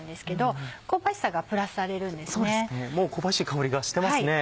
もう香ばしい香りがしてますね。